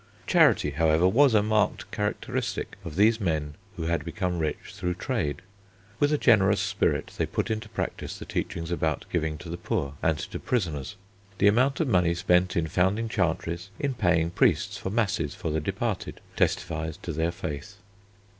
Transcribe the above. Charity, however, was a marked characteristic of these men who had become rich through trade. With a generous spirit they put into practice the teachings about giving to the poor and to prisoners. The amount of money spent in founding chantries, in paying priests for masses for the departed, testifies to their faith.